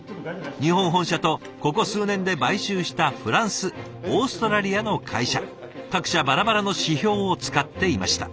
日本本社とここ数年で買収したフランスオーストラリアの会社各社バラバラの指標を使っていました。